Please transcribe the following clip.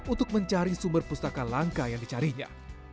untuk mencari sumber pustaka langka yang dicarinya